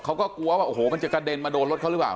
เขาก็กลัวว่าโอ้โหมันจะกระเด็นมาโดนรถเขาหรือเปล่า